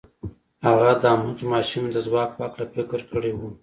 هغه د هماغې ماشومې د ځواک په هکله فکر کړی و.